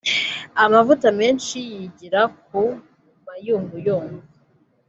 amavuta menshi yigira ku mayunguyungu